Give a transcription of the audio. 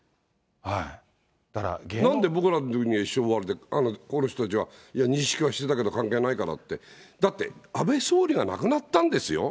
なんで僕らのときは一生終わりで、この人たちはいや、認識してたけど、関係ないからって、だって、安倍総理が亡くなったんですよ。